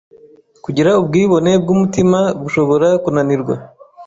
Kugira ubwibone bwumutima bushobora kunanirwa